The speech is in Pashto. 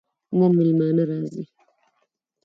نن مېلمانه راځي